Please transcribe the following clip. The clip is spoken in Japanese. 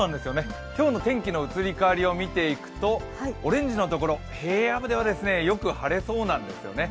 今日の天気の移り変わりを見ていくとオレンジのところ、平野部ではよく晴れそうなんですね。